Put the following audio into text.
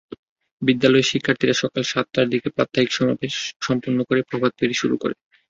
বিদ্যালয়ের শিক্ষার্থীরা সকাল সাড়ে সাতটার দিকে প্রাত্যহিক সমাবেশ সম্পন্ন করে প্রভাতফেরি শুরু করে।